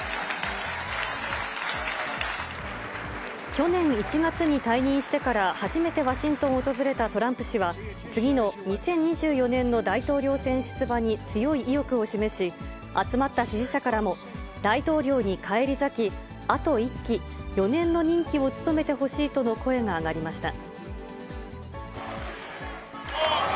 去年１月に退任してから初めてワシントンを訪れたトランプ氏は、次の２０２４年の大統領選出馬に強い意欲を示し、集まった支持者からも、大統領に返り咲き、あと１期、４年の任期を務めてほしいとの声が上がりました。